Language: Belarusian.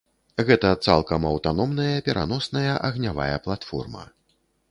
Гэта цалкам аўтаномная пераносная агнявая платформа.